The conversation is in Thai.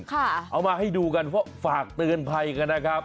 เอามาให้ดูกันเพราะฝากเตือนภัยกันนะครับ